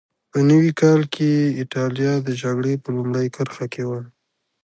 په نوي کال کې اېټالیا د جګړې په لومړۍ کرښه کې وه.